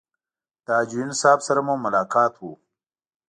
د حاجي یون صاحب سره مو ملاقات و.